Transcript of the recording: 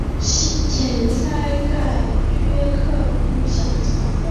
前鳃盖缺刻不显着。